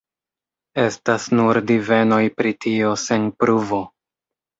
Estas nur divenoj pri tio, sen pruvo.